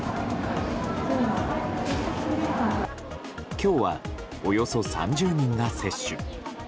今日は、およそ３０人が接種。